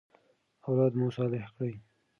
اولاد مو صالح کړئ.